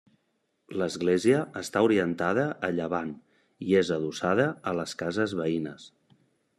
L'església està orientada a llevant i és adossada a les cases veïnes.